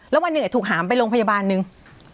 แล้ววันหนึ่งถูกหามไปโรงพยาบาลนึง